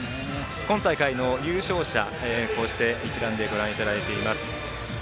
今大会の優勝者、一覧でご覧いただいています。